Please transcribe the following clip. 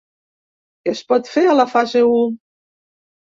Què es pot fer a la fase u?